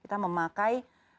kita bekerja sama dengan bobo